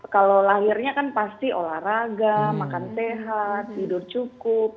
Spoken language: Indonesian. kalau lahirnya kan pasti olahraga makan sehat tidur cukup